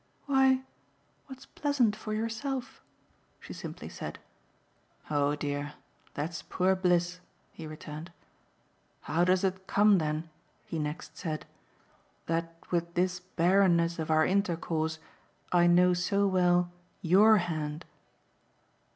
"Why, what's pleasant for yourself," she simply said. "Oh dear, that's poor bliss!" he returned. "How does it come then," he next said, "that with this barrenness of our intercourse I know so well YOUR hand?"